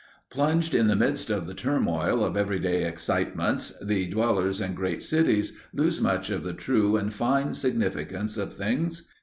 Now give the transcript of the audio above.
Plunged in the midst of the turmoil of every day excitements, the dwellers in great cities lose much of the true and fine significance of things.